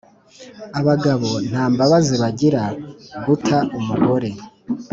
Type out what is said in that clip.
Abagabo ntambabazi bagira guta umugore